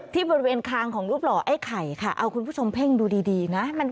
ที่บริเวณคางของรูปหล่อไอ้ไข่ค่ะเอาคุณผู้ชมเพ่งดูดีนะ